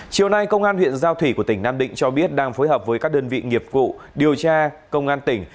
chiều nay công an huyện giao thủy của tỉnh nam định cho biết đang phối hợp với các đơn vị nghiệp vụ điều tra công an tỉnh